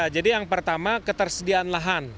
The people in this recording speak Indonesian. jadi yang pertama ketersediaan lahan